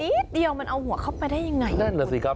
เดียวมันเอาหัวเข้าไปได้ยังไงนั่นน่ะสิครับ